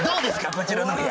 こちらのお部屋。